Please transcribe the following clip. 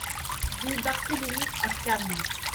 Rue Barthélémy à Cannes